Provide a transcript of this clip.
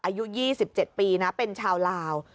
อายุ๒๗ปีนะเป็นชาวลาว